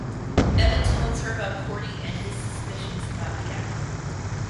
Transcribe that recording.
Evan tells her about Courtney and his suspicions about the app.